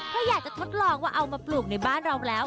ก็อยากจะทดลองว่าเอามาปลูกในบ้านเราแล้ว